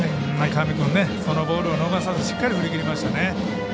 上君、そのボールを逃さずしっかり振り切りましたね。